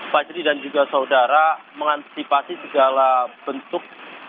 fajri dan juga saudara mengantisipasi segala bentuk